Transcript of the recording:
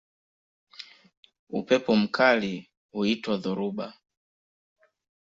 Upepo mkali huitwa dhoruba.